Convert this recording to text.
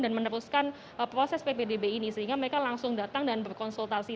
dan meneruskan proses ppdb ini sehingga mereka langsung datang dan berkonsultasi